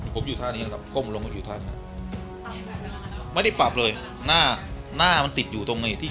กลุ่มลงลงอยู่ท่านไม่ได้ปรับเลยหน้าหน้ามันติดอยู่ตรงนี้